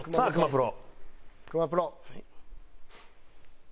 プロ。